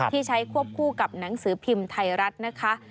ที่ใช้ควบคู่กับหนังสือพิมพ์ไทยรัฐนะคะ